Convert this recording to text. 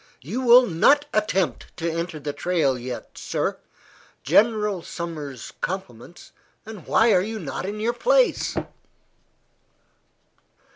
"You will not attempt to enter the trail yet, sir." "General Sumner's compliments, and why are you not in your place?"